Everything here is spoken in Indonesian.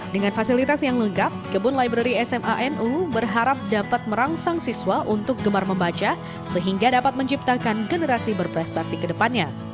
dengan fasilitas yang lengkap kebun library sma nu berharap dapat merangsang siswa untuk gemar membaca sehingga dapat menciptakan generasi berprestasi ke depannya